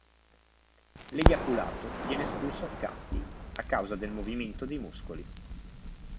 L'eiaculato viene espulso a scatti, a causa del movimento dei muscoli.